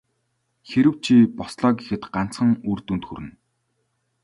Хэрэв чи бослоо гэхэд ганцхан үр дүнд хүрнэ.